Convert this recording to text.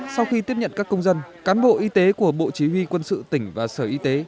sau khi tiếp nhận các công dân cán bộ y tế của bộ chỉ huy quân sự tỉnh và sở y tế